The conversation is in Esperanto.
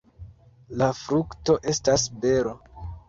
La frukto estas bero.